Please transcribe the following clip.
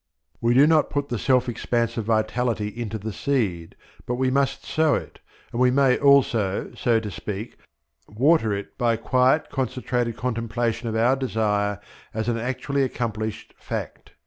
We do not put the self expansive vitality into the seed, but we must sow it, and we may also, so to speak, water it by quiet concentrated contemplation of our desire as an actually accomplished fact.